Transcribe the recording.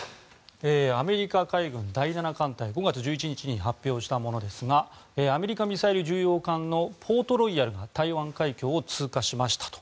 アメリカ海軍第７艦隊５月１１日に発表したものですがアメリカミサイル巡洋艦の「ポートロイヤル」が台湾海峡を通過しましたと。